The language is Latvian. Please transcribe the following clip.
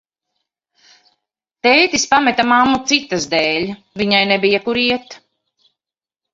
Tētis pameta mammu citas dēļ, viņai nebija, kur iet.